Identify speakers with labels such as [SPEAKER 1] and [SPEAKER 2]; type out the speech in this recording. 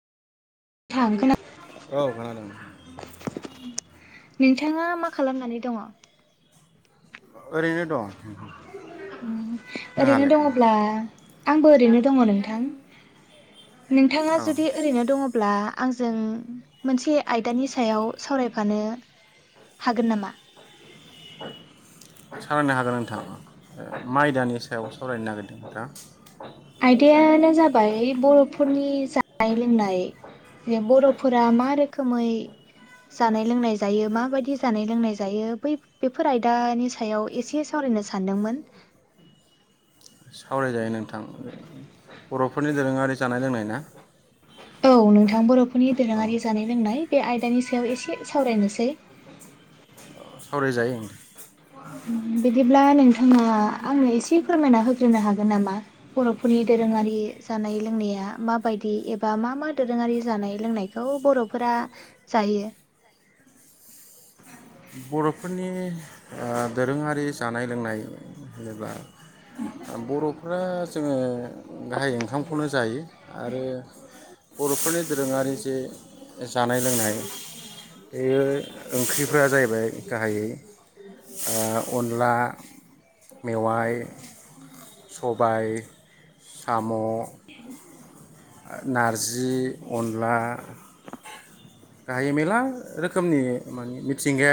[SPEAKER 1] थां खोना
[SPEAKER 2] औ खोनादों।
[SPEAKER 1] नोंथाङा मा खालामनानै दङ'?
[SPEAKER 2] ओरैनो दं नोंथां।
[SPEAKER 1] ओरैनो
[SPEAKER 2] नोंहालाय?
[SPEAKER 1] दङब्ला आंबो ओरैनो दङ' नोंथां। नोंथाङा
[SPEAKER 2] औ
[SPEAKER 1] जुदि ओरैनो दङ' ब्ला आंजों मोनसे आयदानि सायाव सावरायफानो हागोन नामा?
[SPEAKER 2] सावरायनो नो हागोन नोंथां मा आयदानि सायाव सावरायनो नागिरदों? दा?
[SPEAKER 1] आयदायानो जाबाय बर'फोरनि जानाय लोंनाय जे बर'फोरा मा रोखोमै जानाय लोंनाय जायो माबायदि जानाय लोंनाय जायो बै बेफोर आयदानि सायाव एसे सावरायनो सानदोंमोन।
[SPEAKER 2] सावरायजायो नोंथां बर'फोरनि दोरोङारि जानाय लोंनाय ना?
[SPEAKER 1] औ नोंथां बर'फोरनि
[SPEAKER 2] औ
[SPEAKER 1] दोरोङारि जानाय लोंनाय बे आयदानि सायाव एसे सावरायनोसै।
[SPEAKER 2] अ सावरायजायो ओं।
[SPEAKER 1] बिदिब्ला नोंथाङा आंनो एसे फोरमायना होग्रोनो हागोन नामा बर'फोरनि दोरोङारि जानाय लोंनाया माबायदि एबा मा मा दोरोङारि जानाय लोंनायखौ बर'फोरा जायो?
[SPEAKER 2] बर'फोरनि ओ दोरोङारि जानाय लोंनाय होनोब्ला बर'फ्रा जोङो गाहाय ओंखामखौनो जायो आरो बर'फोरनि दोरोङारि जे जानाय लोंनाय इयो ओंख्रि फोरा जाहैबाय गाहायै ओ अनला, मेवाय सबाय, साम' नारजि, अनला गाहाय मेरला रोखोमनि माने मिथिंगाया